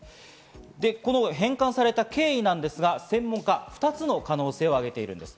この返還された経緯なんですが、専門家は２つの可能性を挙げています。